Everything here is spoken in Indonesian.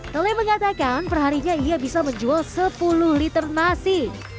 tele mengatakan perharinya ia bisa menjual sepuluh liter nasi